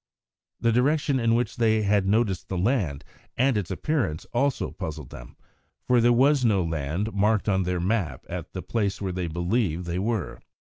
The direction in which they had noticed the land, and its appearance, also puzzled them, for there was no land marked on their map at the place where they believed they were.